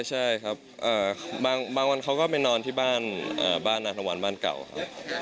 ใช่ครับบางวันเขาก็ไปนอนที่บ้านนาธวรรณบ้านเก่าครับ